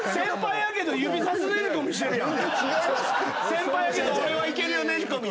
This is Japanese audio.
先輩やけど俺はいけるよねじ込み。